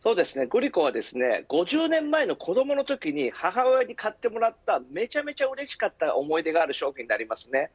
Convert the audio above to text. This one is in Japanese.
グリコは５０年前の子どもの時に母親に買ってもらっためちゃめちゃうれしかった思い出がある商品です。